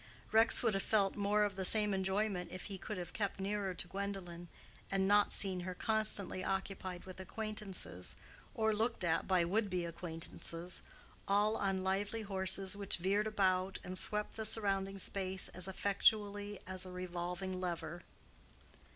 Rex would have felt more of the same enjoyment if he could have kept nearer to Gwendolen, and not seen her constantly occupied with acquaintances, or looked at by would be acquaintances, all on lively horses which veered about and swept the surrounding space as effectually as a revolving lever.